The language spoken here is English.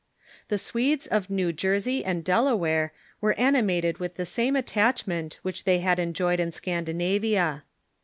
The Swedes of New Jersey and Delaware were ani mated with the same attachment which they had enjoyed in Scandinavia.